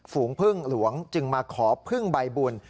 ฝูงพึ่งหลวงจึงมาขอพึ่งใบบุญ